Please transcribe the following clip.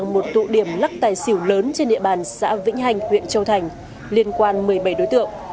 một tụ điểm lắc tài xỉu lớn trên địa bàn xã vĩnh hành huyện châu thành liên quan một mươi bảy đối tượng